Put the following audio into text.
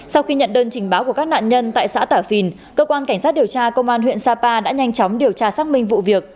sau khi nhận đơn trình báo của các nạn nhân tại xã tả phìn cơ quan cảnh sát điều tra công an huyện sapa đã nhanh chóng điều tra xác minh vụ việc